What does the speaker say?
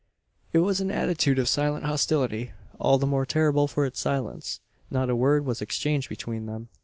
It was an attitude of silent hostility all the more terrible for its silence. Not a word was exchanged between them.